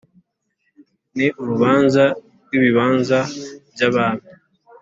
ni urubanza rw'ibibanza by'abami